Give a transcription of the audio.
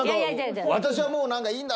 私はもういいんだ！